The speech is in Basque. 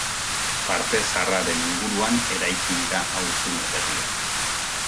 Parte zaharraren inguruan eraiki dira auzune berriak.